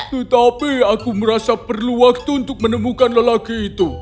tetapi aku merasa perlu waktu untuk menemukan lelaki itu